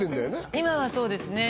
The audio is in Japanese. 今はそうですね